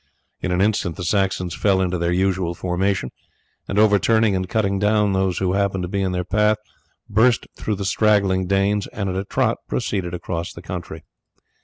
In an instant the Saxons fell into their usual formation, and overturning and cutting down those who happened to be in their path, burst through the straggling Danes, and at a trot proceeded across the country.